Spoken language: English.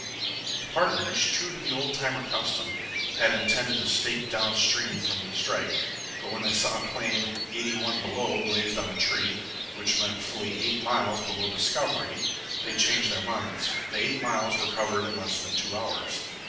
The partners, true to the old timer custom, had intended to stake down stream from the strike, but when they saw claim 81 BELOW blazed on a tree, which meant fully eight miles below Discovery, they changed their minds. The eight miles were covered in less than two hours.